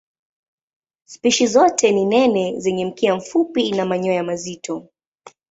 Spishi zote ni nene zenye mkia mfupi na manyoya mazito.